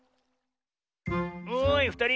おいふたり。